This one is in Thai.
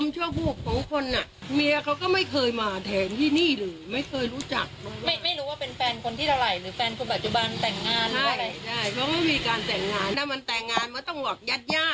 แต่เขาก็ไม่ค่อยมาด้วย